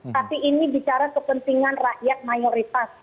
tapi ini bicara kepentingan rakyat mayoritas